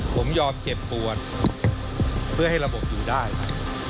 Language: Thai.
ผมยอมเจ็บปวดเพื่อให้ระบบอยู่ได้ครับ